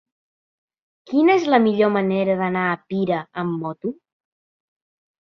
Quina és la millor manera d'anar a Pira amb moto?